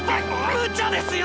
むちゃですよ！